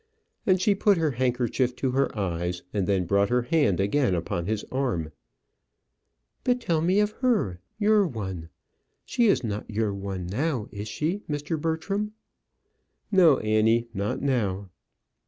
And she put her handkerchief to her eyes, and then brought her hand again upon his arm. "But tell me of her your one. She is not your one now is she, Mr. Bertram?" "No, Annie; not now."